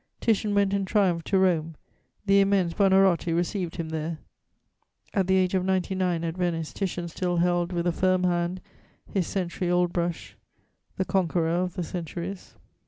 Titian went in triumph to Rome; the immense Buonarotti received him there: at the age of ninety nine, at Venice, Titian still held with a firm hand his century old brush, the conqueror of the centuries.